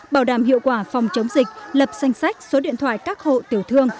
bảo đảm hiệu quả phòng chống dịch lập danh sách số điện thoại các hộ tiểu thương